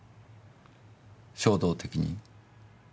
衝動的に？